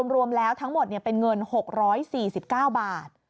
รวมแล้วทั้งหมดเป็นเงิน๖๔๙บาท